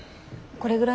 これぐらい。